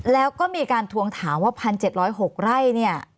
แล้วก็มีการทวงถามว่า๑๗๐๖ไร่เนี่ย